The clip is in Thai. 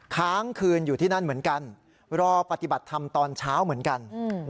ค้างคืนอยู่ที่นั่นเหมือนกันรอปฏิบัติธรรมตอนเช้าเหมือนกัน